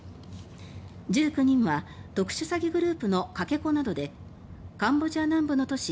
１９人は特殊詐欺グループのかけ子などでカンボジア南部の都市